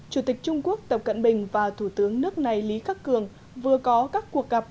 chủ tịch trung quốc tập cận bình và thủ tướng nước này lý khắc cường vừa có các cuộc gặp